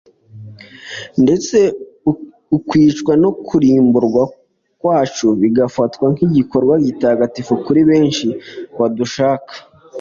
ndetse ukwicwa no kurimburwa kwacu bigafatwa nk’igikorwa gitagatifu kuri benshi batadushaka